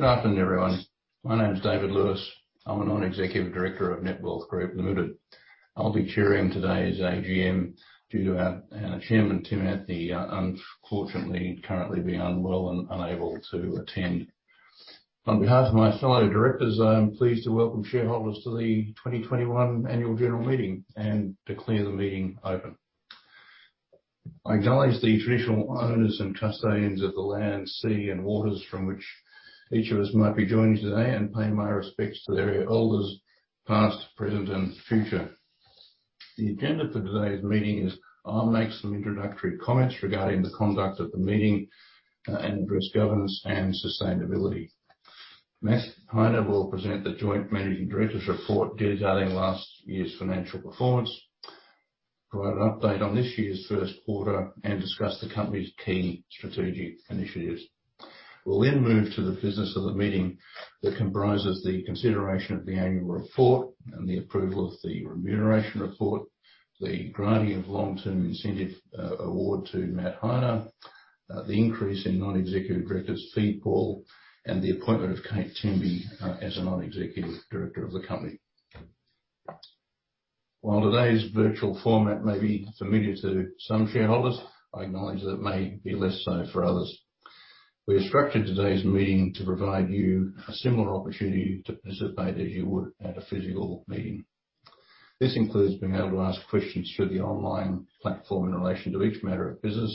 Good afternoon, everyone. My name is Davyd Lewis. I'm a non-executive director of Netwealth Group Limited. I'll be chairing today's AGM due to our chairman, Tim Antonie, unfortunately currently being unwell and unable to attend. On behalf of my fellow directors, I am pleased to welcome shareholders to the 2021 annual general meeting and declare the meeting open. I acknowledge the traditional owners and custodians of the land, sea, and waters from which each of us might be joining today and pay my respects to their elders past, present, and future. The agenda for today's meeting is. I'll make some introductory comments regarding the conduct of the meeting and risk governance and sustainability. Matt Heine will present the Joint Managing Directors' Report detailing last year's financial performance, provide an update on this year's first quarter and discuss the company's key strategic initiatives. We'll then move to the business of the meeting that comprises the consideration of the Annual Report and the approval of the Remuneration Report, the granting of Long-Term Incentive award to Matt Heine, the increase in non-executive directors' fee pool, and the appointment of Kate Temby as a non-executive director of the company. While today's virtual format may be familiar to some shareholders, I acknowledge that it may be less so for others. We have structured today's meeting to provide you a similar opportunity to participate as you would at a physical meeting. This includes being able to ask questions through the online platform in relation to each matter of business,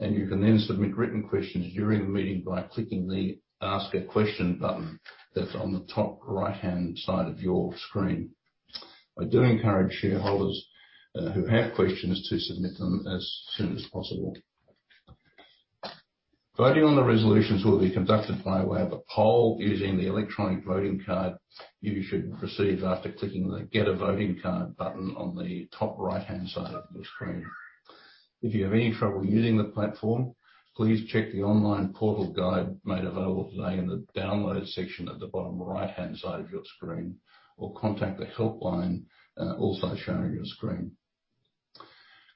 and you can then submit written questions during the meeting by clicking the Ask a Question button that's on the top right-hand side of your screen. I do encourage shareholders who have questions to submit them as soon as possible. Voting on the resolutions will be conducted by way of a poll using the electronic voting card you should receive after clicking the Get a Voting Card button on the top right-hand side of the screen. If you have any trouble using the platform, please check the online portal guide made available today in the download section at the bottom right-hand side of your screen, or contact the helpline also shown on your screen.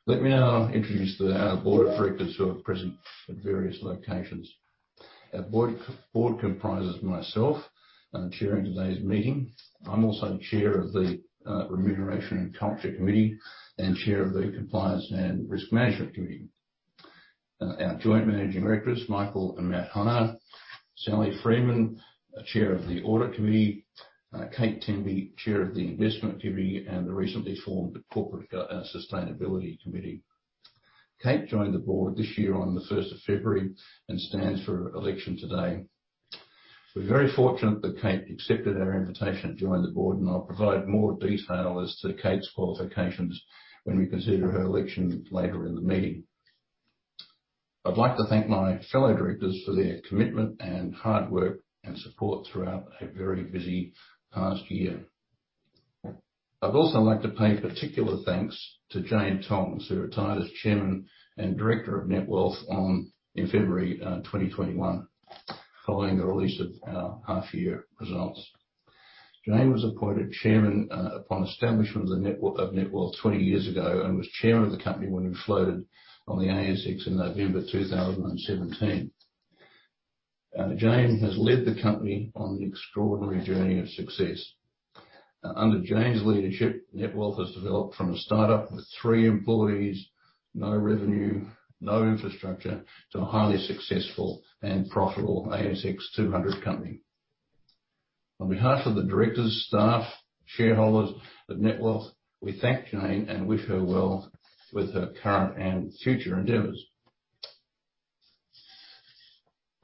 Let me now introduce the Board of Directors who are present at various locations. Our Board comprises myself, I'm chairing today's meeting. I'm also Chair of the Remuneration and Culture Committee and Chair of the Compliance and Risk Management Committee. Our Joint Managing Directors, Michael Heine and Matt Heine. Sally Freeman, Chair of the Audit Committee. Kate Temby, Chair of the Investment Committee and the recently formed Corporate Sustainability Committee. Kate joined the board this year on the 1st of February and stands for election today. We're very fortunate that Kate accepted our invitation to join the board, and I'll provide more detail as to Kate's qualifications when we consider her election later in the meeting. I'd like to thank my fellow directors for their commitment and hard work and support throughout a very busy past year. I'd also like to pay particular thanks to Jane Tongs, who retired as Chairman and Director of Netwealth in February 2021 following the release of our half-year results. Jane was appointed Chairman upon establishment of Netwealth 20 years ago and was Chair of the company when we floated on the ASX in November 2017. Jane has led the company on an extraordinary journey of success. Under Jane's leadership, Netwealth has developed from a start-up with three employees, no revenue, no infrastructure, to a highly successful and profitable ASX 200 company. On behalf of the directors, staff, shareholders of Netwealth, we thank Jane and wish her well with her current and future endeavors.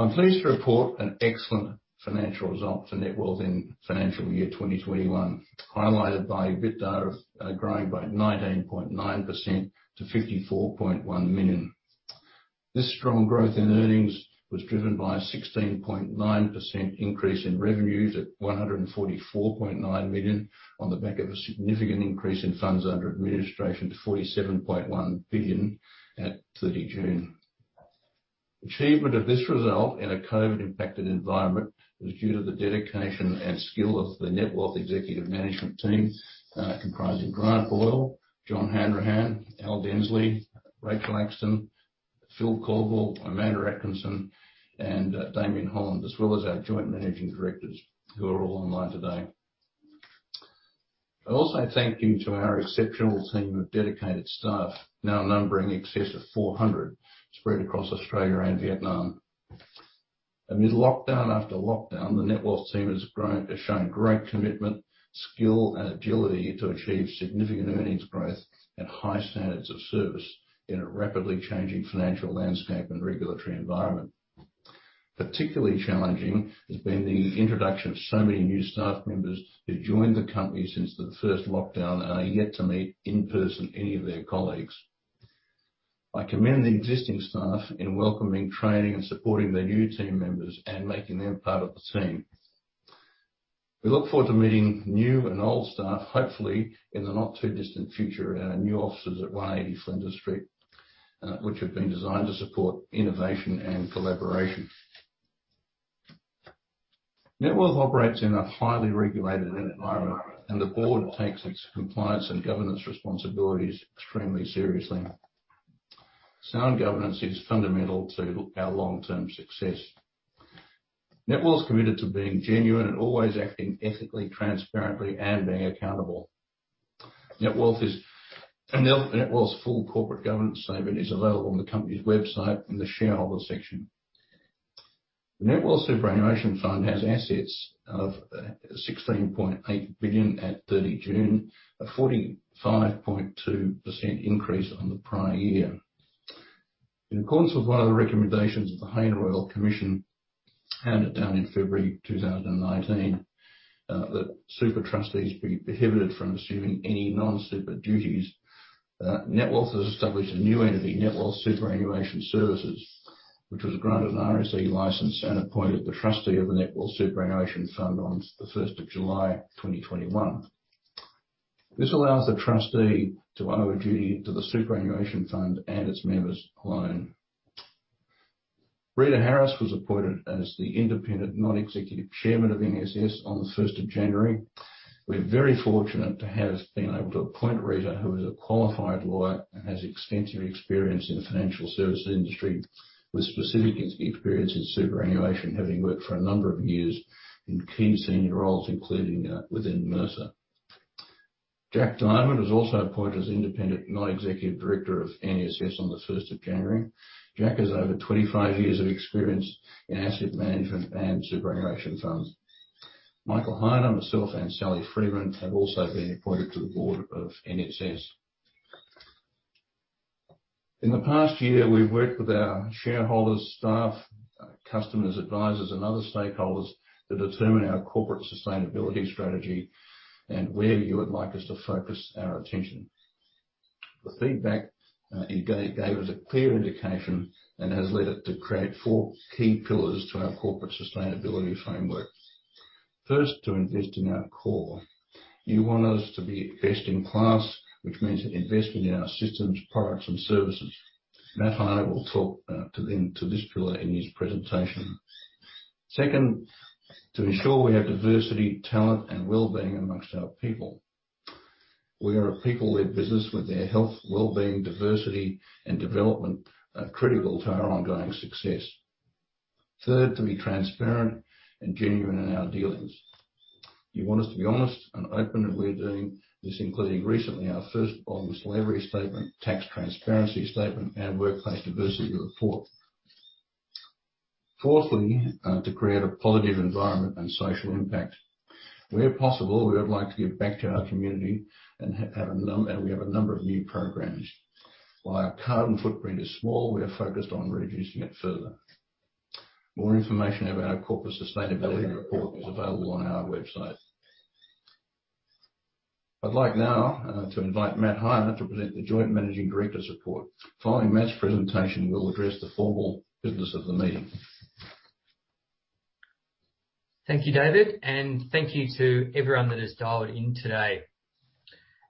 I'm pleased to report an excellent financial result for Netwealth in financial year 2021, highlighted by EBITDA growing by 19.9% to 54.1 million. This strong growth in earnings was driven by a 16.9% increase in revenues at 144.9 million on the back of a significant increase in funds under administration to 47.1 billion at 30 June. Achievement of this result in a COVID-impacted environment was due to the dedication and skill of the Netwealth executive management team, comprising Grant Boyle, John Hanrahan, Al Dinsley, Rachel Axton, Phil Caldwell, Amanda Atkinson, and Damian Holland, as well as our Joint Managing Directors who are all online today. I also want to thank our exceptional team of dedicated staff, now numbering in excess of 400, spread across Australia and Vietnam. Amid lockdown after lockdown, the Netwealth team has shown great commitment, skill, and agility to achieve significant earnings growth and high standards of service in a rapidly changing financial landscape and regulatory environment. Particularly challenging has been the introduction of so many new staff members who joined the company since the first lockdown and are yet to meet in person any of their colleagues. I commend the existing staff in welcoming, training, and supporting their new team members and making them part of the team. We look forward to meeting new and old staff, hopefully in the not-too-distant future at our new offices at 180 Flinders Street, which have been designed to support innovation and collaboration. Netwealth operates in a highly regulated environment, and the board takes its compliance and governance responsibilities extremely seriously. Sound governance is fundamental to our long-term success. Netwealth's committed to being genuine and always acting ethically, transparently, and being accountable. Netwealth's full corporate governance statement is available on the company's website in the shareholder section. The Netwealth Superannuation Fund has assets of 16.8 billion at 30 June. A 45.2% increase on the prior year. In accordance with one of the recommendations of the Hayne Royal Commission, handed down in February 2019, that super trustees be prohibited from assuming any non-super duties. Netwealth has established a new entity, Netwealth Superannuation Services, which was granted an RSE license and appointed the trustee of the Netwealth Superannuation Fund on July 1, 2021. This allows the trustee to owe a duty to the superannuation fund and its members alone. Rita Harris was appointed as the Independent Non-Executive Chairman of NSS on the 1st of January. We're very fortunate to have been able to appoint Rita, who is a qualified lawyer and has extensive experience in the financial services industry, with specific experience in superannuation, having worked for a number of years in key senior roles, including within Mercer. Jack Diamond was also appointed as Independent Non-Executive Director of NSS on the first of January. Jack has over 25 years of experience in asset management and superannuation funds. Michael Heine, myself, and Sally Freeman have also been appointed to the board of NSS. In the past year, we've worked with our shareholders, staff, customers, advisors, and other stakeholders to determine our corporate sustainability strategy and where you would like us to focus our attention. The feedback, it gave us a clear indication and has led us to create four key pillars to our corporate sustainability framework. First, to invest in our core. You want us to be best in class, which means investing in our systems, products, and services. Matt Heine will talk to them, to this pillar in his presentation. Second, to ensure we have diversity, talent, and wellbeing among our people. We are a people-led business where their health, well-being, diversity, and development are critical to our ongoing success. Third, to be transparent and genuine in our dealings. You want us to be honest and open, and we're doing this, including recently our first Modern Slavery Statement, Tax Transparency Statement, and Workplace Diversity Report. Fourthly, to create a positive environment and social impact. Where possible, we would like to give back to our community and have a number of new programs. While our carbon footprint is small, we are focused on reducing it further. More information about our Corporate Sustainability Report is available on our website. I'd like now to invite Matt Heine to present the Joint Managing Directors' report. Following Matt's presentation, we'll address the formal Business of the Meeting. Thank you, Davyd, and thank you to everyone that has dialed in today.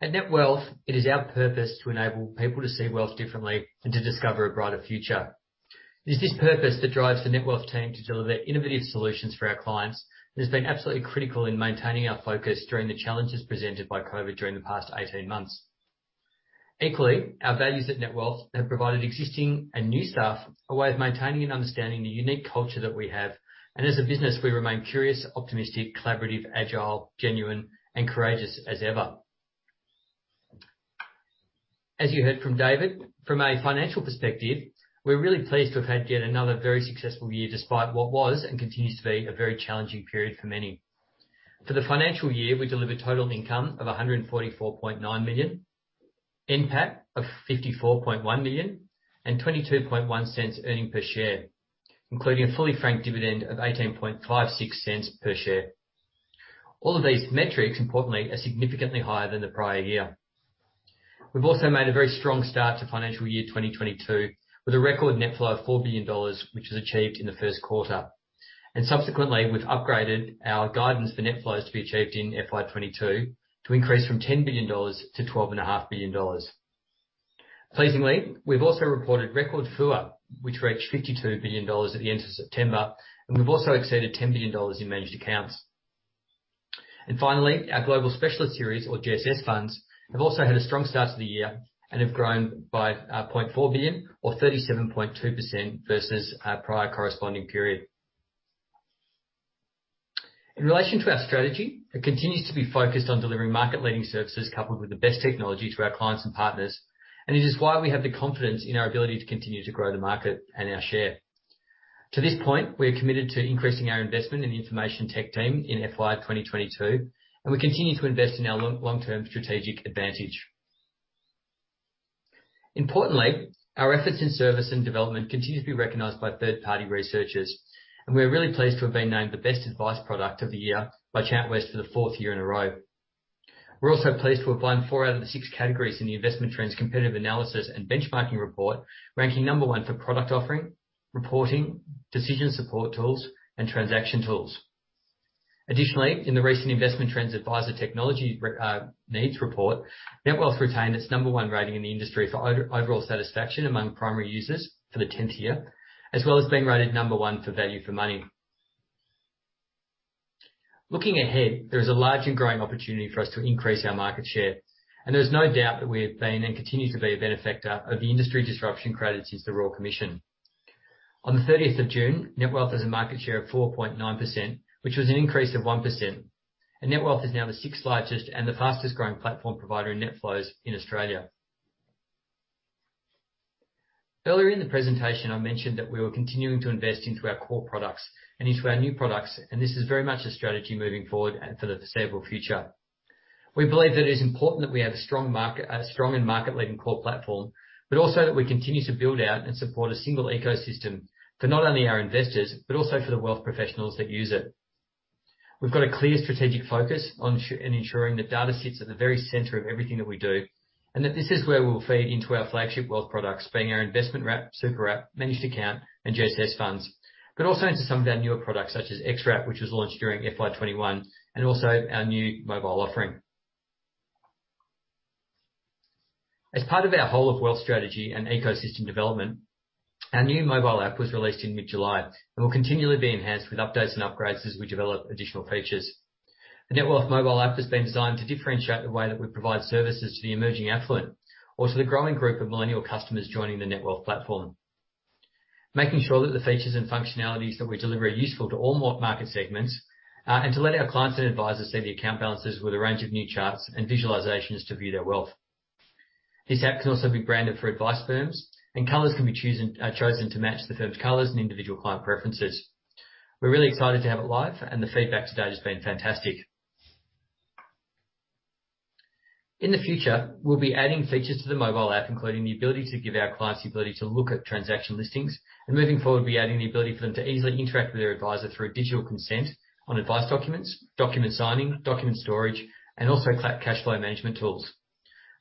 At Netwealth, it is our purpose to enable people to see wealth differently and to discover a brighter future. It is this purpose that drives the Netwealth team to deliver innovative solutions for our clients, and has been absolutely critical in maintaining our focus during the challenges presented by COVID during the past 18 months. Equally, our values at Netwealth have provided existing and new staff a way of maintaining and understanding the unique culture that we have. As a business, we remain curious, optimistic, collaborative, agile, genuine, and courageous as ever. As you heard from Davyd, from a financial perspective, we're really pleased to have had yet another very successful year, despite what was and continues to be a very challenging period for many. For the financial year, we delivered total income of 144.9 million, NPAT of 54.1 million, and 0.221 earnings per share, including a fully franked dividend of 0.1856 per share. All of these metrics, importantly, are significantly higher than the prior year. We've also made a very strong start to financial year 2022 with a record net flow of 4 billion dollars, which was achieved in the first quarter. Subsequently, we've upgraded our guidance for net flows to be achieved in FY 2022 to increase from 10 billion-12.5 billion dollars. Pleasingly, we've also reported record FUA, which reached 52 billion dollars at the end of September, and we've also exceeded 10 billion dollars in Managed Accounts. Finally, our global specialist series or GSS funds have also had a strong start to the year and have grown by 0.4 billion or 37.2% versus our prior corresponding period. In relation to our strategy, it continues to be focused on delivering market-leading services coupled with the best technology to our clients and partners. It is why we have the confidence in our ability to continue to grow the market and our share. To this point, we are committed to increasing our investment in the information tech team in FY 2022, and we continue to invest in our long-term strategic advantage. Importantly, our efforts in service and development continue to be recognized by third-party researchers, and we are really pleased to have been named the best advice product of the year by Chant West for the fourth year in a row. We're also pleased to have won four out of the six categories in the Investment Trends Competitive Analysis and Benchmarking Report, ranking number one for product offering, reporting, decision support tools, and transaction tools. Additionally, in the recent Investment Trends Advisor Technology Needs report, Netwealth retained its number one rating in the industry for overall satisfaction among primary users for the 10th year, as well as being rated number one for value for money. Looking ahead, there is a large and growing opportunity for us to increase our market share, and there's no doubt that we have been and continue to be a beneficiary of the industry disruption created since the Royal Commission. On the 30th of June, Netwealth has a market share of 4.9%, which was an increase of 1%. Netwealth is now the sixth largest and the fastest growing platform provider in net flows in Australia. Earlier in the presentation, I mentioned that we were continuing to invest into our core products and into our new products, and this is very much a strategy moving forward and for the foreseeable future. We believe that it is important that we have a strong market, a strong and market-leading core platform, but also that we continue to build out and support a single ecosystem for not only our investors but also for the wealth professionals that use it. We've got a clear strategic focus on ensuring that data sits at the very center of everything that we do, and that this is where we'll feed into our flagship wealth products, being our Investment Wrap, Super App, Managed Account, and GSS funds, but also into some of our newer products such as X-Wrap, which was launched during FY 2021, and also our new mobile offering. As part of our Whole of Wealth strategy and ecosystem development, our new mobile app was released in mid-July and will continually be enhanced with updates and upgrades as we develop additional features. The Netwealth mobile app has been designed to differentiate the way that we provide services to the emerging affluent or to the growing group of millennial customers joining the Netwealth platform. Making sure that the features and functionalities that we deliver are useful to all market segments, and to let our clients and advisors see the account balances with a range of new charts and visualizations to view their wealth. This app can also be branded for advice firms and colors can be chosen to match the firm's colors and individual client preferences. We're really excited to have it live, and the feedback to date has been fantastic. In the future, we'll be adding features to the mobile app, including the ability to give our clients the ability to look at transaction listings, and moving forward, we'll be adding the ability for them to easily interact with their advisor through digital consent on advice documents, document signing, document storage, and also cash flow management tools.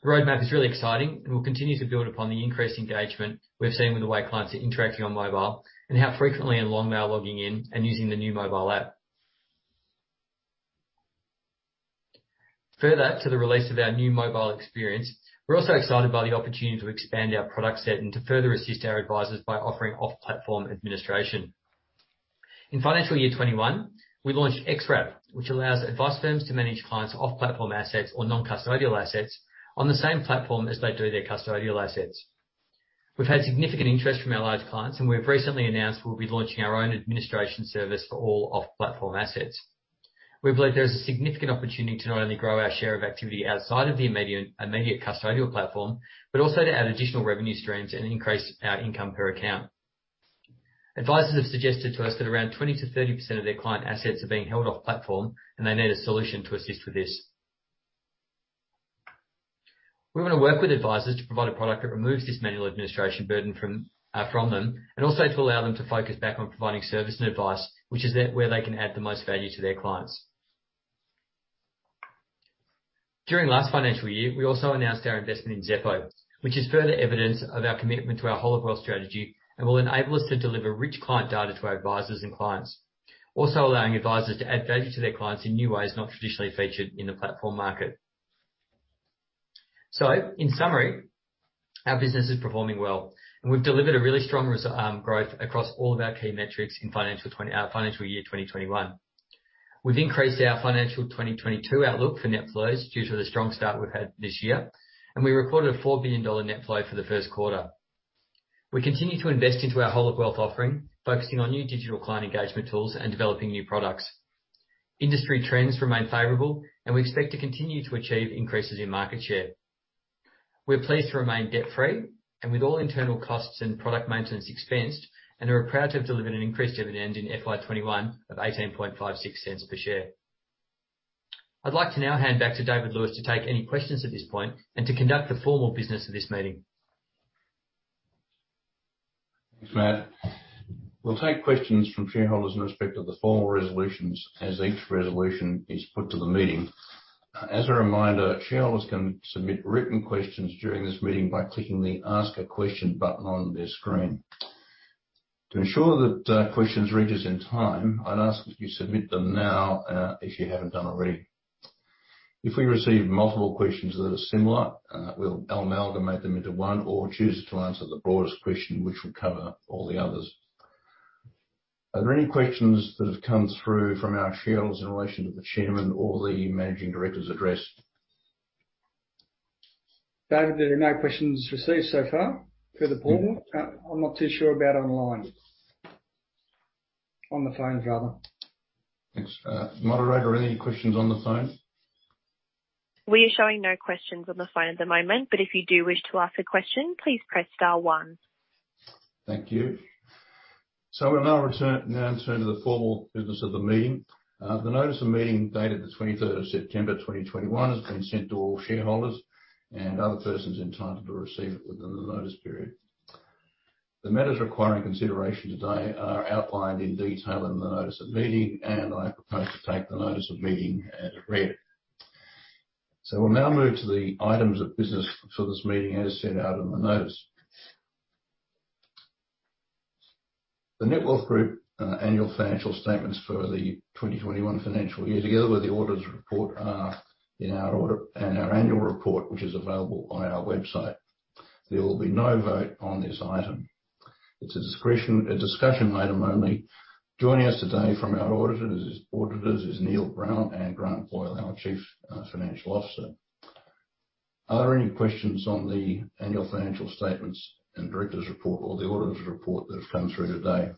The roadmap is really exciting and will continue to build upon the increased engagement we're seeing with the way clients are interacting on mobile and how frequently and long they are logging in and using the new mobile app. Further to the release of our new mobile experience, we're also excited by the opportunity to expand our product set and to further assist our advisors by offering off-platform administration. In financial year 2021, we launched X-Wrap, which allows advice firms to manage clients off platform assets or non-custodial assets on the same platform as they do their custodial assets. We've had significant interest from our large clients, and we've recently announced we'll be launching our own administration service for all off-platform assets. We believe there is a significant opportunity to not only grow our share of activity outside of the immediate custodial platform, but also to add additional revenue streams and increase our income per account. Advisors have suggested to us that around 20%-30% of their client assets are being held off platform, and they need a solution to assist with this. We wanna work with advisors to provide a product that removes this manual administration burden from them, and also to allow them to focus back on providing service and advice, which is where they can add the most value to their clients. During last financial year, we also announced our investment in Xeppo, which is further evidence of our commitment to our Whole of Wealth strategy and will enable us to deliver rich client data to our advisors and clients. Allowing advisors to add value to their clients in new ways not traditionally featured in the platform market. In summary, our business is performing well. We've delivered a really strong growth across all of our key metrics in our financial year 2021. We've increased our financial 2022 outlook for net flows due to the strong start we've had this year, and we recorded an 4 billion dollar net flow for the first quarter. We continue to invest into our Whole of Wealth offering, focusing on new digital client engagement tools and developing new products. Industry trends remain favorable, and we expect to continue to achieve increases in market share. We're pleased to remain debt-free and with all internal costs and product maintenance expensed, and are proud to have delivered an increased dividend in FY 2021 of 0.1856 per share. I'd like to now hand back to Davyd Lewis to take any questions at this point and to conduct the formal business of this meeting. Thanks, Matt. We'll take questions from shareholders in respect of the formal resolutions as each resolution is put to the meeting. As a reminder, shareholders can submit written questions during this meeting by clicking the Ask a Question button on their screen. To ensure that questions reach us in time, I'd ask that you submit them now, if you haven't done already. If we receive multiple questions that are similar, we'll amalgamate them into one or choose to answer the broadest question, which will cover all the others. Are there any questions that have come through from our shareholders in relation to the chairman or the managing director's address? Davyd, there are no questions received so far for the board. I'm not too sure about online. On the phone, rather. Thanks. Moderator, are there any questions on the phone? We are showing no questions on the phone at the moment, but if you do wish to ask a question, please press star one. Thank you. We'll now turn to the formal business of the meeting. The Notice of Meeting dated the 23rd of September 2021 has been sent to all shareholders and other persons entitled to receive it within the notice period. The matters requiring consideration today are outlined in detail in the Notice of Meeting, and I propose to take the Notice of Meeting as read. We'll now move to the items of business for this meeting as set out in the notice. The Netwealth Group annual financial statements for the 2021 financial year, together with the auditor's report, are in our Annual Report, which is available on our website. There will be no vote on this item. It's a discussion item only. Joining us today from our auditors is Neil Brown and Grant Boyle, our Chief Financial Officer. Are there any questions on the annual financial statements and directors report or the auditors report that have come through today?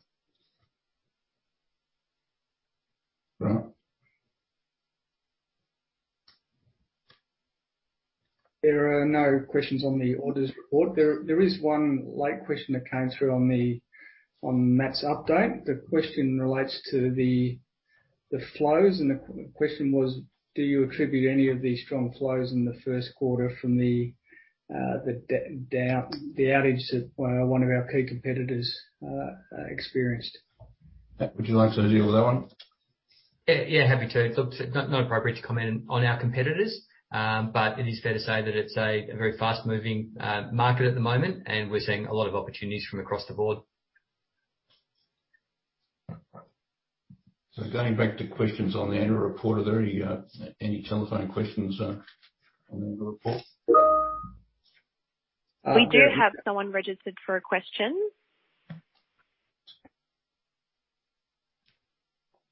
Grant. There are no questions on the auditor's report there. There is one late question that came through on Matt's update. The question relates to the flows, and the question was, do you attribute any of these strong flows in the first quarter from the outage that one of our key competitors experienced? Matt, would you like to deal with that one? Yeah, happy to. Look, it's not appropriate to comment on our competitors, but it is fair to say that it's a very fast-moving market at the moment, and we're seeing a lot of opportunities from across the board. Going back to questions on the Annual Report. Are there any telephone questions on the Annual Report? We do have someone registered for a question.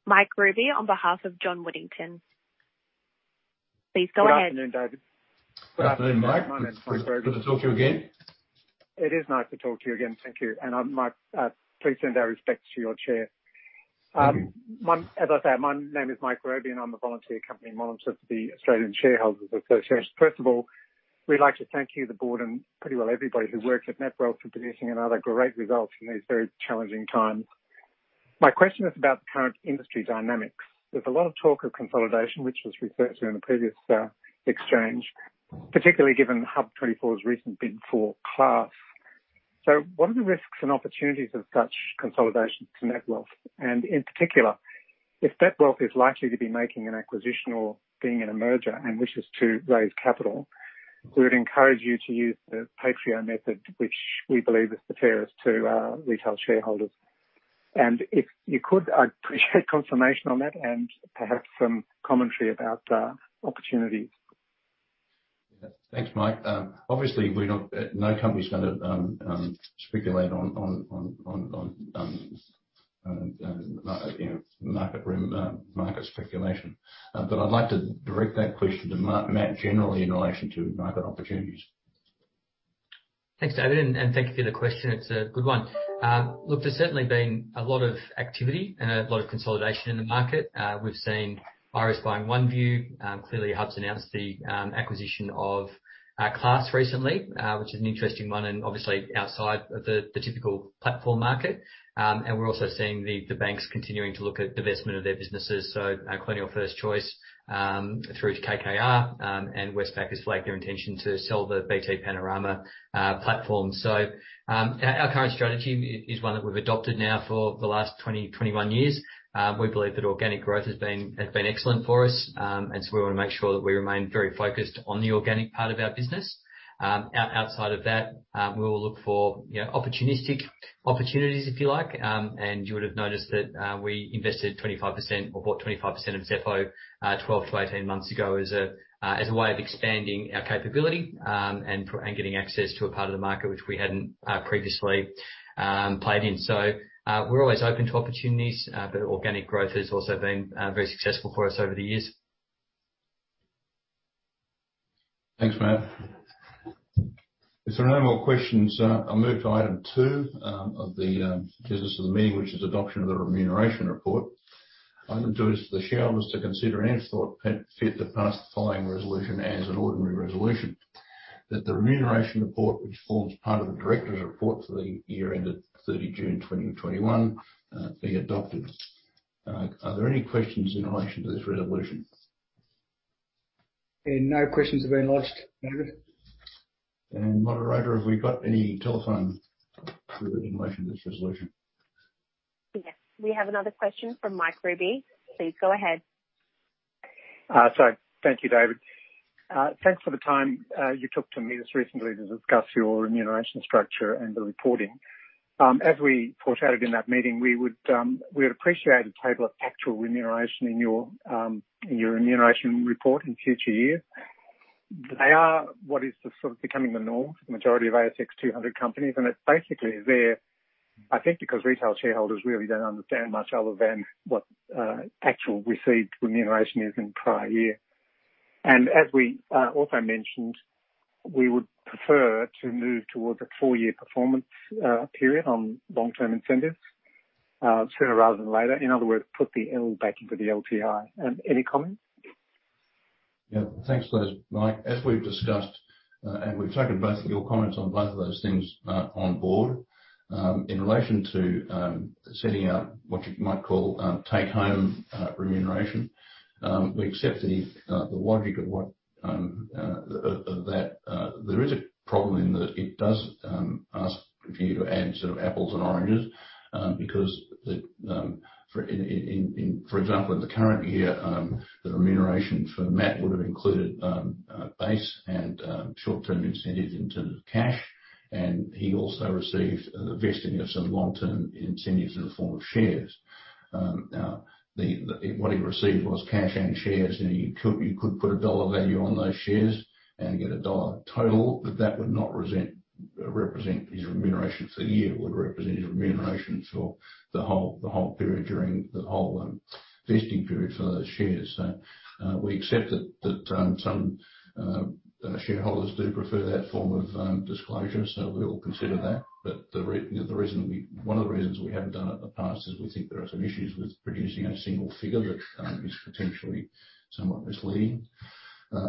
Mike Robey on behalf of John Whittingham. Please go ahead. Good afternoon, Davyd. Good afternoon, Mike. Morning. Good to talk to you again. It is nice to talk to you again. Thank you. I'm Mike. Please send our respects to your chair. My name is Mike Robey, and I'm a volunteer company monitor for the Australian Shareholders' Association. First of all, we'd like to thank you, the board, and pretty well everybody who works at Netwealth for producing another great result in these very challenging times. My question is about the current industry dynamics. There's a lot of talk of consolidation which was referred to in the previous exchange, particularly given HUB24's recent bid for Class. What are the risks and opportunities of such consolidation to Netwealth? In particular, if Netwealth is likely to be making an acquisition or being in a merger and wishes to raise capital, we would encourage you to use the pro rata method, which we believe is the fairest to our retail shareholders. If you could, I'd appreciate confirmation on that and perhaps some commentary about opportunities. Yeah. Thanks, Mike. Obviously no company's gonna speculate on, you know, market speculation. I'd like to direct that question to Matt generally in relation to market opportunities. Thanks, Davyd, and thank you for the question. It's a good one. Look, there's certainly been a lot of activity and a lot of consolidation in the market. We've seen Iress buying OneVue. Clearly HUB24's announced the acquisition of Class Limited recently, which is an interesting one and obviously outside of the typical platform market. We're also seeing the banks continuing to look at divestment of their businesses. Colonial First State through to KKR, and Westpac has flagged their intention to sell the BT Panorama platform. Our current strategy is one that we've adopted now for the last 21 years. We believe that organic growth has been excellent for us. We wanna make sure that we remain very focused on the organic part of our business. Outside of that, we will look for, you know, opportunistic opportunities, if you like. You would have noticed that we invested 25% or bought 25% of Xeppo 12-18 months ago as a way of expanding our capability and getting access to a part of the market which we hadn't previously played in. We're always open to opportunities, but organic growth has also been very successful for us over the years. Thanks, Matt. If there are no more questions, I'll move to item two of the Business of the Meeting, which is adoption of the Remuneration Report. I move to ask the shareholders to consider and, if thought fit, to pass the following resolution as an ordinary resolution. That the Remuneration Report, which forms part of the Directors' Report for the year ended 30 June 2021, be adopted. Are there any questions in relation to this resolution? There are no questions that have been lodged, Davyd. Moderator, have we got any telephone queries in relation to this resolution? Yes. We have another question from Mike Robey. Please go ahead. Thank you, Davyd. Thanks for the time you took to meet us recently to discuss your remuneration structure and the reporting. As we foreshadowed in that meeting, we'd appreciate a table of actual remuneration in your Remuneration Report in future years. They are what is sort of becoming the norm for the majority of ASX 200 companies, and it's basically there, I think, because retail shareholders really don't understand much other than what actual received remuneration is in prior year. We also mentioned we would prefer to move towards a four-year performance period on long-term incentives sooner rather than later. In other words, put the L back into the LTI. Any comment? Yeah. Thanks for those, Mike. As we've discussed, we've taken both of your comments on both of those things on board. In relation to setting out what you might call take home remuneration, we accept the logic of that. There is a problem in that it does ask you to add sort of apples and oranges because, for example, in the current year, the remuneration for Matt would have included base and short-term incentives in terms of cash, and he also received a vesting of some long-term incentives in the form of shares. What he received was cash and shares. You could put a dollar value on those shares and get a dollar total, but that would not represent his remuneration for the year. It would represent his remuneration for the whole period during the vesting period for those shares. We accept that some shareholders do prefer that form of disclosure, so we will consider that. But you know, one of the reasons we haven't done it in the past is we think there are some issues with producing a single figure that is potentially somewhat misleading.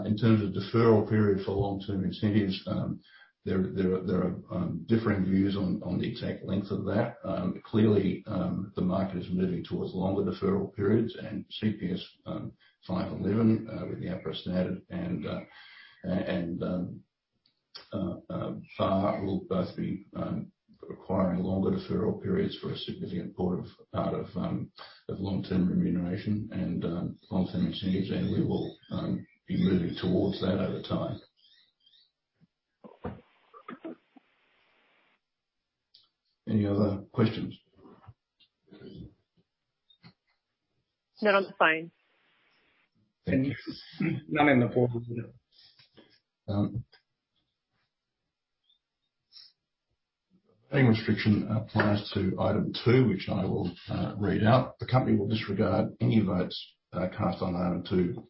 In terms of deferral period for long-term incentives, there are differing views on the exact length of that. Clearly, the market is moving towards longer deferral periods and CPS 511 with the APRA standard and FAR will both be requiring longer deferral periods for a significant part of long-term remuneration and long-term incentives. We will be moving towards that over time. Any other questions? None on the phone. Thank you. No one on the board as well. A voting restriction applies to item two, which I will read out. The company will disregard any votes cast on item two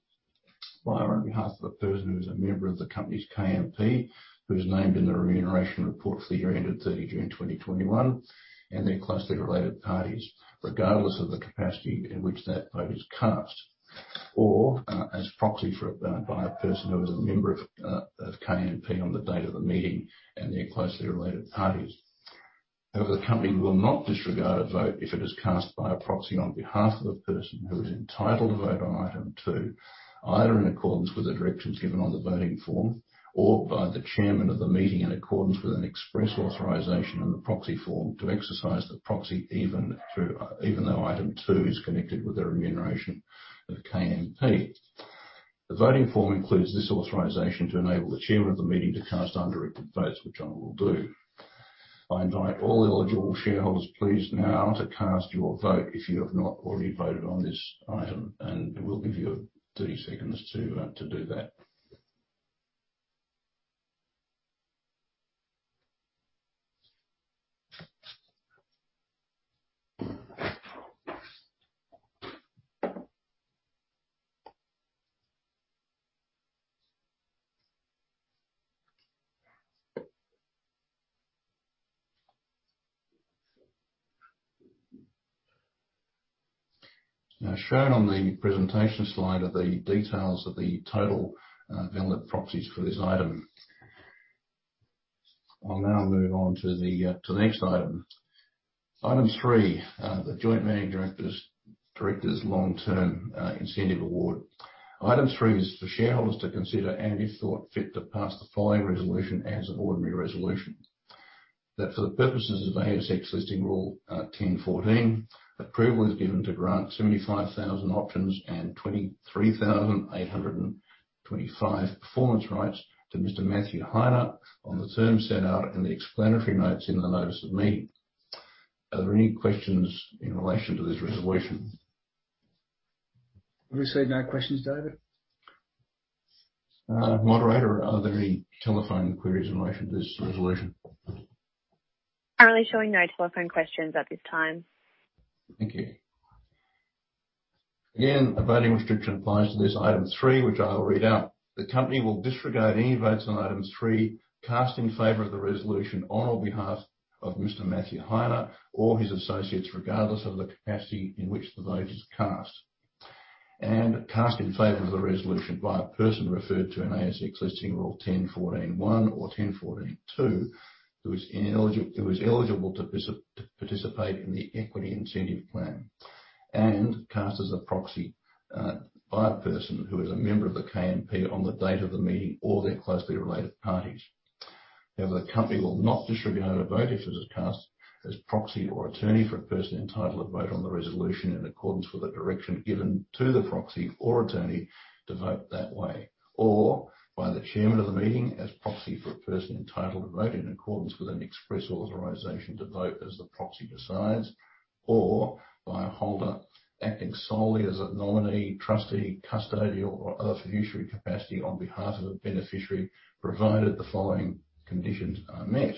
by or on behalf of a person who is a member of the company's KMP, who is named in the Remuneration Report for the year ended 30 June 2021, and their closely related parties, regardless of the capacity in which that vote is cast. Or as proxy for by a person who is a member of KMP on the date of the meeting and their closely related parties. However, the company will not disregard a vote if it is cast by a proxy on behalf of a person who is entitled to vote on item two, either in accordance with the directions given on the voting form or by the chairman of the meeting in accordance with an express authorization on the proxy form to exercise the proxy, even though item two is connected with the remuneration of KMP. The voting form includes this authorization to enable the chairman of the meeting to cast under-voted votes, which I will do. I invite all eligible shareholders please now to cast your vote if you have not already voted on this item, and we'll give you 30 seconds to do that. Now, shown on the presentation slide are the details of the total valid proxies for this item. I'll now move on to the next item. Item three, the Joint Managing Directors' Long-Term Incentive award. Item three is for shareholders to consider, and if thought fit, to pass the following resolution as an ordinary resolution. That for the purposes of ASX Listing Rule 10.14, approval is given to grant 75,000 options and 23,825 Performance Rights to Mr. Matt Heine on the terms set out in the explanatory notes in the Notice of Meeting. Are there any questions in relation to this resolution? We see no questions, Davyd. Moderator, are there any telephone queries in relation to this resolution? Currently showing no telephone questions at this time. Thank you. Again, a voting restriction applies to this item three, which I will read out. The company will disregard any votes on item three cast in favor of the resolution on behalf of Mr. Matt Heine or his associates, regardless of the capacity in which the vote is cast. Cast in favor of the resolution by a person referred to in ASX Listing Rule 10.14.1 or ASX Listing Rule 10.14.2, who is eligible to participate in the equity incentive plan. Cast as a proxy by a person who is a member of the KMP on the date of the meeting or their closely related parties. However, the company will not disregard a vote if it is cast as proxy or attorney for a person entitled to vote on the resolution in accordance with the direction given to the proxy or attorney to vote that way. Or by the chairman of the meeting as proxy for a person entitled to vote in accordance with an express authorization to vote as the proxy decides. Or by a holder acting solely as a nominee, trustee, custodian or other fiduciary capacity on behalf of a beneficiary, provided the following conditions are met.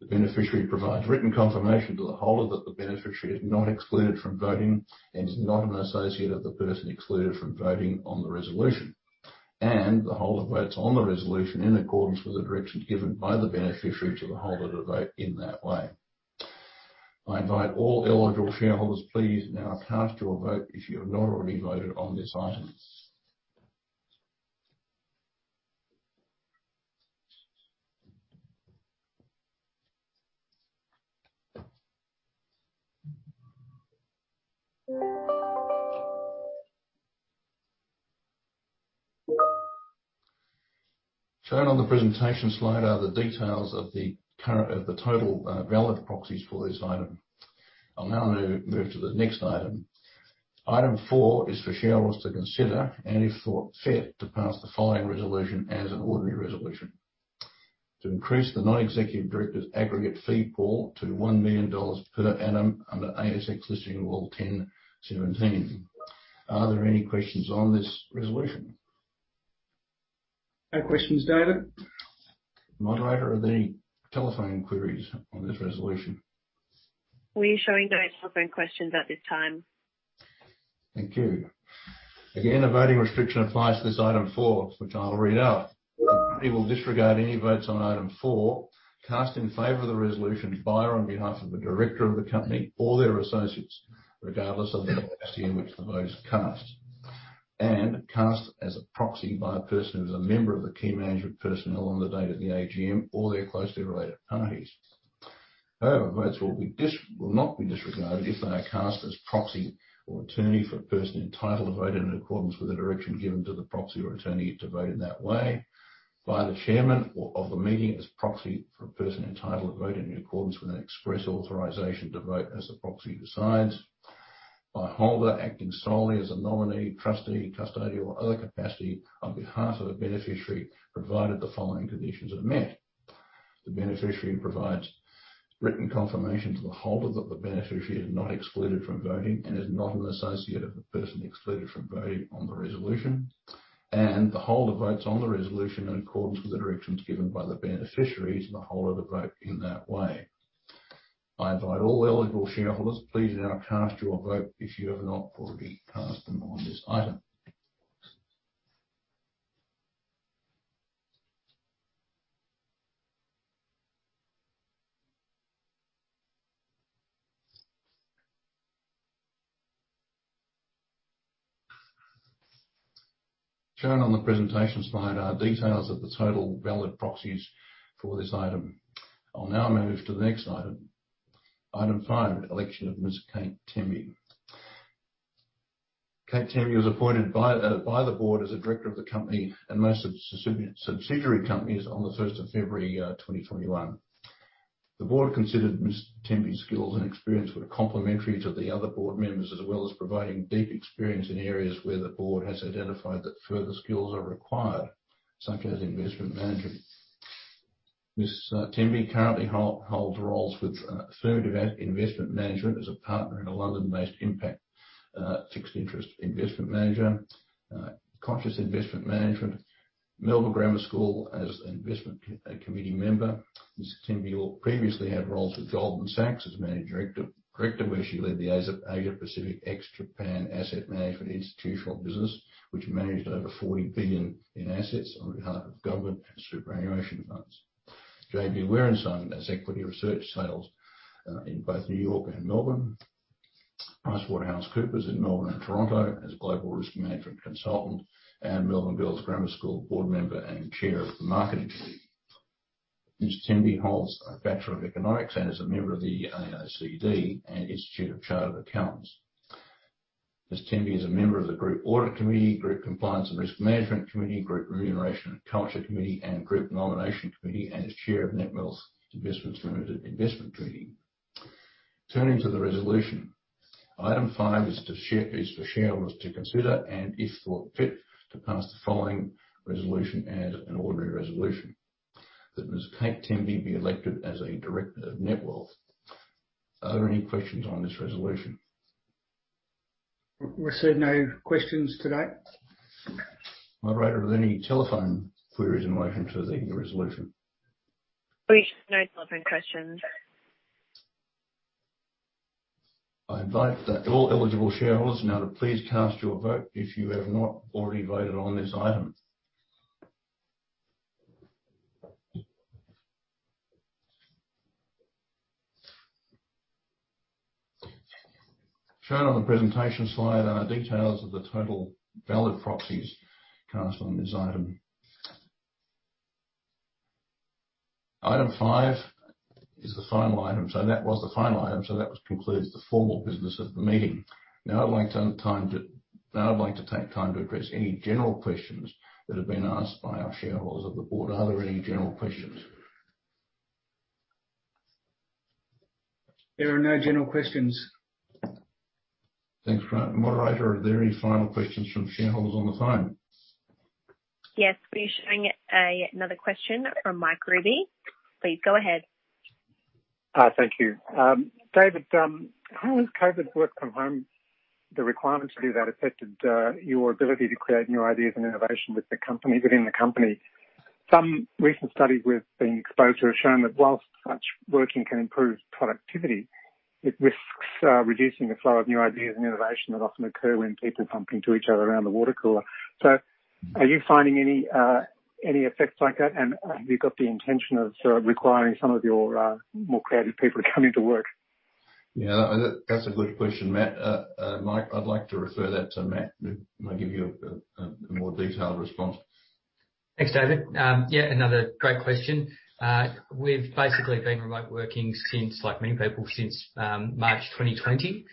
The beneficiary provides written confirmation to the holder that the beneficiary is not excluded from voting and is not an associate of the person excluded from voting on the resolution. The holder votes on the resolution in accordance with the directions given by the beneficiary to the holder to vote in that way. I invite all eligible shareholders, please now cast your vote if you have not already voted on this item. Shown on the presentation slide are the details of the total valid proxies for this item. I'll now move to the next item. Item four is for shareholders to consider and if thought fit, to pass the following resolution as an ordinary resolution. To increase the Non-Executive Directors' Aggregate Fee Pool to 1 million dollars per annum under ASX Listing Rule 10.17. Are there any questions on this resolution? No questions, Davyd. Moderator, are there any telephone queries on this resolution? We're showing no telephone questions at this time. Thank you. Again, a voting restriction applies to this item four, which I'll read out. We will disregard any votes on item four cast in favor of the resolution by or on behalf of the director of the company or their associates, regardless of the capacity in which the vote is cast as a proxy by a person who is a member of the key management personnel on the date of the AGM or their closely related parties. However, votes will not be disregarded if they are cast as proxy or attorney for a person entitled to vote in accordance with the direction given to the proxy or attorney to vote in that way by the Chairman of the meeting as proxy for a person entitled to vote in accordance with an express authorization to vote as the proxy decides. The holder acting solely as a nominee, trustee, custodian, or other capacity on behalf of a beneficiary, provided the following conditions are met. The beneficiary provides written confirmation to the holder that the beneficiary is not excluded from voting and is not an associate of the person excluded from voting on the resolution. The holder votes on the resolution in accordance with the directions given by the beneficiaries and the holder does not vote in that way. I invite all eligible shareholders to please now cast your vote if you have not already cast them on this item. Shown on the presentation slide are details of the total valid proxies for this item. I'll now move to the next item. Item five, election of Ms. Kate Temby. Kate Temby was appointed by the board as a director of the company and most of subsidiary companies on the first of February 2021. The board considered Ms. Temby's skills and experience were complementary to the other board members, as well as providing deep experience in areas where the board has identified that further skills are required, such as investment management. Ms. Temby currently holds roles with Affirmative Investment Management as a partner in a London-based impact fixed interest investment manager, Conscious Investment Management, Melbourne Grammar School as an investment committee member. Ms. Temby previously had roles with Goldman Sachs as managing director, where she led the Asia-Pacific ex-Japan asset management institutional business, which managed over 40 billion in assets on behalf of government and superannuation funds. J.B. Were & Son as equity research sales in both New York and Melbourne. PricewaterhouseCoopers in Melbourne and Toronto as global risk management consultant, and Melbourne Girls Grammar School board member and chair of the marketing committee. Ms. Temby holds a Bachelor of Economics and is a member of the AICD and Institute of Chartered Accountants. Ms. Temby is a member of the Group Audit Committee, Group Compliance and Risk Management Committee, Group Remuneration and Culture Committee, and Group Nomination Committee, and is chair of Netwealth Investments Limited Investment Committee. Turning to the resolution. Item five is for shareholders to consider, and if thought fit, to pass the following resolution as an ordinary resolution, that Ms. Kate Temby be elected as a director of Netwealth. Are there any questions on this resolution? Receiving no questions today. Moderator, are there any telephone queries in relation to the resolution? We have no telephone questions. I invite all eligible shareholders now to please cast your vote if you have not already voted on this item. Shown on the presentation slide are details of the total valid proxies cast on this item. Item five is the final item. That was the final item, so that concludes the formal business of the meeting. Now I'd like to take time to address any general questions that have been asked by our shareholders of the board. Are there any general questions? There are no general questions. Thanks. Moderator, are there any final questions from shareholders on the phone? Yes. We're showing another question from Mike Robey. Please go ahead. Thank you. Davyd, how has COVID work from home, the requirement to do that affected your ability to create new ideas and innovation with the company, within the company? Some recent studies we've been exposed to have shown that while such working can improve productivity, it risks reducing the flow of new ideas and innovation that often occur when people bump into each other around the water cooler. Are you finding any effects like that? Have you got the intention of sort of requiring some of your more creative people to come into work? Yeah, that's a good question, Matt. Mike, I'd like to refer that to Matt who might give you a more detailed response. Thanks, Davyd. Yeah, another great question. We've basically been remote working since, like many people, since March 2020.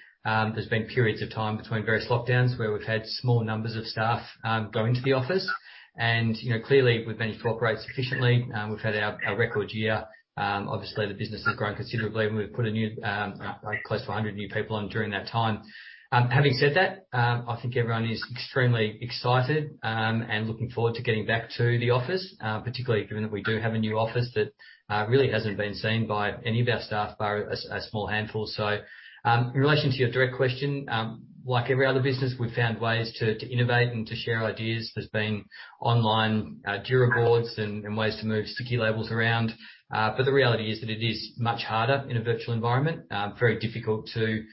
There's been periods of time between various lockdowns where we've had small numbers of staff go into the office and, you know, clearly we've managed to operate sufficiently. We've had our record year. Obviously the business has grown considerably, and we've put close to 100 new people on during that time. Having said that, I think everyone is extremely excited and looking forward to getting back to the office, particularly given that we do have a new office that really hasn't been seen by any of our staff, bar a small handful. In relation to your direct question, like every other business, we've found ways to innovate and to share ideas. There's been online Jira boards and ways to move sticky labels around. But the reality is that it is much harder in a virtual environment. Very difficult to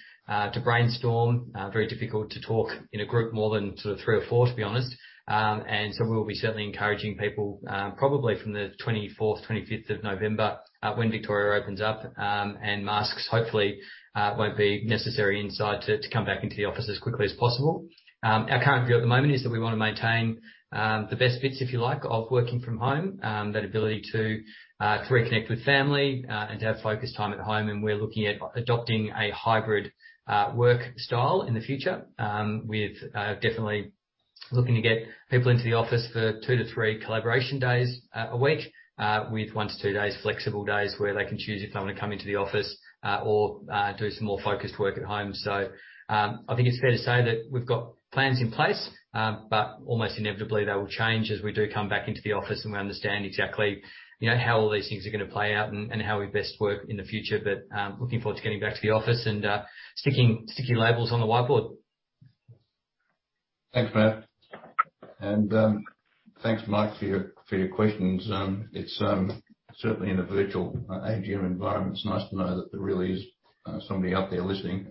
brainstorm, very difficult to talk in a group more than sort of three or four, to be honest. We'll be certainly encouraging people, probably from the 24th, 25th of November, when Victoria opens up, and masks hopefully won't be necessary inside to come back into the office as quickly as possible. Our current view at the moment is that we wanna maintain the best bits, if you like, of working from home. That ability to reconnect with family and to have focused time at home. We're looking at adopting a hybrid work style in the future. With definitely looking to get people into the office for two to three collaboration days a week, with one to two flexible days where they can choose if they wanna come into the office or do some more focused work at home. I think it's fair to say that we've got plans in place. Almost inevitably they will change as we do come back into the office and we understand exactly, you know, how all these things are gonna play out and how we best work in the future. Looking forward to getting back to the office and sticking sticky labels on the whiteboard. Thanks, Matt. Thanks, Mike, for your questions. It's certainly in a virtual AGM environment. It's nice to know that there really is somebody out there listening.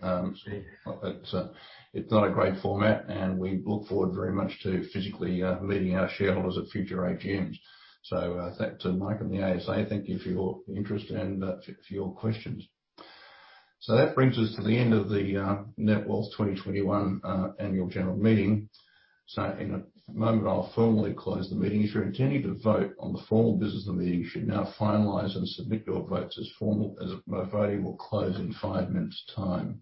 It's not a great format, and we look forward very much to physically meeting our shareholders at future AGMs. Thanks to Mike and the ASA. Thank you for your interest and for your questions. That brings us to the end of the Netwealth 2021 Annual General Meeting. In a moment, I'll formally close the meeting. If you're intending to vote on the formal business of the meeting, you should now finalize and submit your votes as formal as voting will close in five minutes time.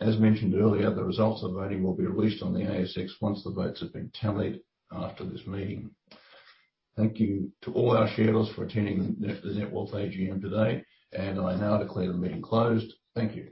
As mentioned earlier, the results of voting will be released on the ASX once the votes have been tallied after this meeting. Thank you to all our shareholders for attending the Netwealth AGM today, and I now declare the meeting closed. Thank you.